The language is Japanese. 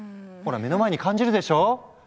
ほら目の前に感じるでしょう？